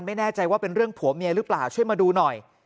ไม่แน่ใจว่าเป็นเรื่องผัวเมียหรือเปล่าช่วยมาดูหน่อย